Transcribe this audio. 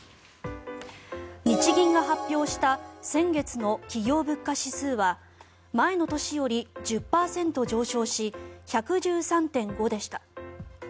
日銀が発表した先月の企業物価指数は前の年より１０％上昇し１１３．５でした。